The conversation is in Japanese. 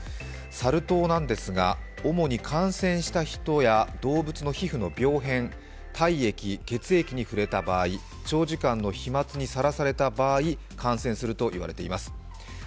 サル痘なんですが主に感染した人や動物の皮膚のひょう変、体液、血液に触れた場合長時間の飛まつにさらされた場合感染するといわれています。